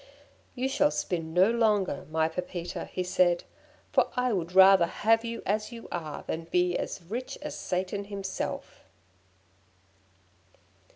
'You shall spin no longer, my Pepita,' he said, 'for I would rather have you as you are than be rich as Satan himself!'"